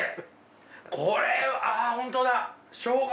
これああホントだ。